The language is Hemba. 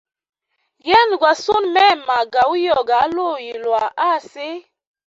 Yena gwa sune mema ga uyoga aluyi lwa asi.